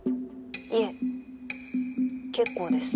いえ結構です。